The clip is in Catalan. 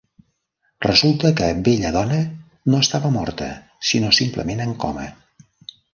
Resulta que Bella Donna no estava morta, sinó simplement en coma.